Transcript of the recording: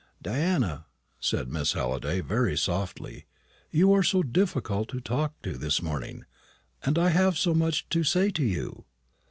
"Diana," said Miss Halliday very softly, "you are so difficult to talk to this morning, and I have so much to say to you."